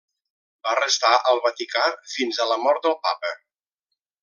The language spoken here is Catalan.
Va restar al Vaticà fins a la mort del Papa.